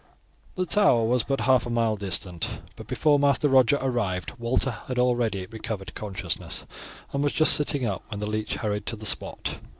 The Tower was but half a mile distant, but before Master Roger arrived Walter had already recovered consciousness, and was just sitting up when the leech hurried up to the spot.